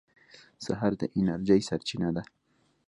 سهار د انرژۍ سرچینه ده.